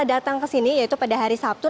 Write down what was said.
datang ke sini yaitu pada hari sabtu